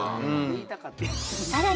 さらに